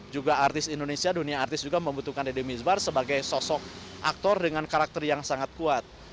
juga artis indonesia dunia artis juga membutuhkan deddy mizwar sebagai sosok aktor dengan karakter yang sangat kuat